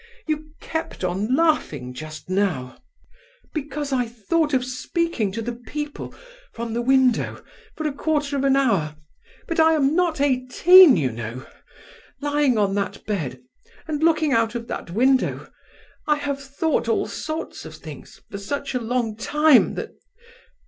"You kept on laughing just now, because I thought of speaking to the people from the window for a quarter of an hour. But I am not eighteen, you know; lying on that bed, and looking out of that window, I have thought of all sorts of things for such a long time that...